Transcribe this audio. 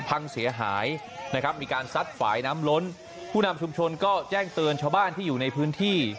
พังเสียหายนะครับมีการซัดฝ่ายน้ำล้นผู้นำชุมชนก็แจ้งเตือนชาวบ้านที่อยู่ในพื้นที่